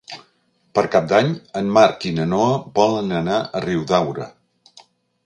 Per Cap d'Any en Marc i na Noa volen anar a Riudaura.